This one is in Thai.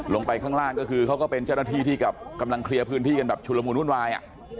ลงไปข้างล่างก็คือเขาก็เป็นเจ้าหน้าที่ที่กับกำลังเคลียร์พื้นที่กันแบบชุลมูลวุ่นวาย